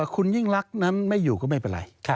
คุณยิ่งรักนั้นไม่อยู่ก็ไม่เป็นไร